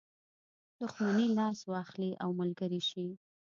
دښمني لاس واخلي او ملګری شي.